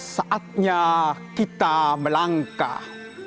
saatnya kita melangkah